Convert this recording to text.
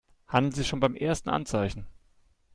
Handeln Sie schon beim ersten Anzeichen!